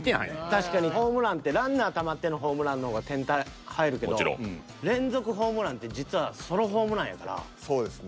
確かにホームランってランナーたまってのホームランの方が点入るけど連続ホームランって実はソロホームランやから。